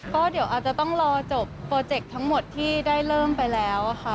ก็เดี๋ยวอาจจะต้องรอจบโปรเจกต์ทั้งหมดที่ได้เริ่มไปแล้วค่ะ